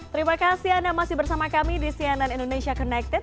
terima kasih anda masih bersama kami di cnn indonesia connected